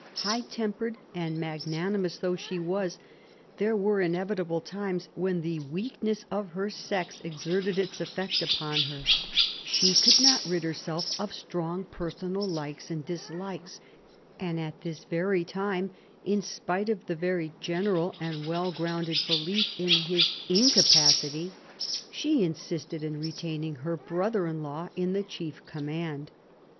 High tempered and magnanimous though she was, there were inevitably times when the weakness of her sex exerted its effect upon her — she could not rid herself 1757 60 THE SEVEN YEARS* WAE 139 of strong personal likes and dislikes, and at this very time, in spite of the very general and well grounded belief in his incapacity, she insisted in retaining her brother in law in the chief command.